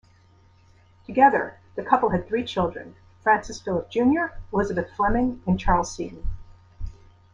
Together the couple had three children: Francis Philip Junior Elizabeth Fleming, and Charles Seton.